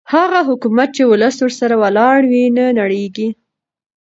هغه حکومت چې ولس ورسره ولاړ وي نه نړېږي